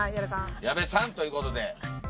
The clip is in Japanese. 矢部さんということで。